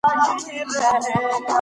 د بشر حقوق باید خوندي سي.